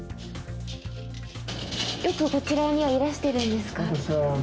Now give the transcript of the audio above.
よくこちらにはいらしてるんですか？